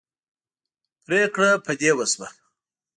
پرېکړه په دې وشوه.